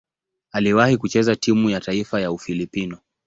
Aliwahi kucheza timu ya taifa ya Ufilipino.